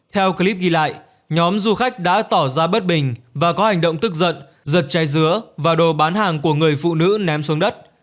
theo clip ghi lại nhóm du khách đã tỏ ra bất bình và có hành động tức giận giật cháy dứa và đồ bán hàng của người phụ nữ ném xuống đất